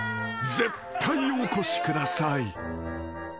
絶対お越しください］